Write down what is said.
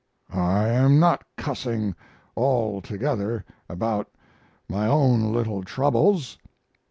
I am not cussing altogether about my own little troubles.